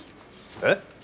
えっ！？